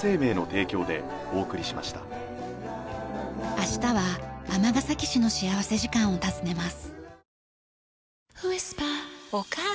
明日は尼崎市の幸福時間を訪ねます。